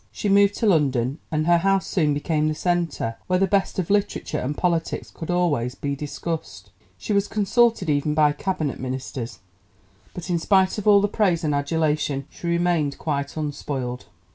She moved to London, and her house soon became the centre where the best of literature and politics could always be discussed. She was consulted even by Cabinet Ministers, but in spite of all the praise and adulation she remained quite unspoiled.